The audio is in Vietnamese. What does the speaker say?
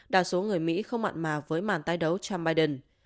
đa số người mỹ không mặn mà với màn tái đấu cham biden